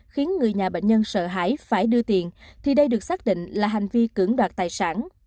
khiến người nhà bệnh nhân sợ hãi phải đưa tiền thì đây được xác định là hành vi cưỡng đoạt tài sản